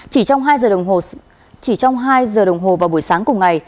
chỉ trong hai giờ đồng hồ vào buổi sáng cùng ngày